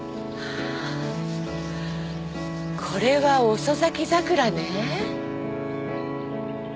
これは遅咲き桜ね。